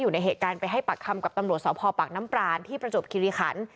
อยู่ในเหตุการณ์ไปให้ปากคำกับตำรวจสพปากน้ำปรานที่ประจวบคิริขัน